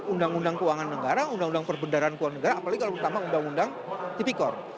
undang undang keuangan negara undang undang perbendaraan keuangan negara apalagi kalau pertama undang undang tipikor